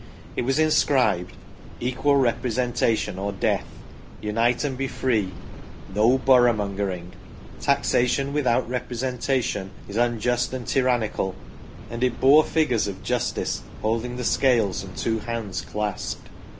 It was inscribed :" Equal Representation or Death," " Unite and be Free," " No Boroughmongering," " Taxation without Representation is Un just and Tyrannical," and it bore figures of Justice holding the scales and two hands clasped.